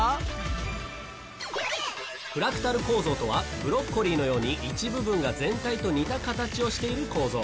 フラクタル構造とはブロッコリーのように一部分が全体と似た形をしている構造。